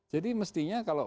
jadi mestinya kalau